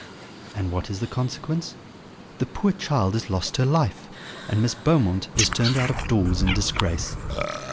And what is the consequence? The poor child has lost her life, and Miss Beaumont is turned out of doors in disgrace."